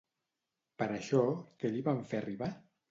Per això, què li van fer arribar?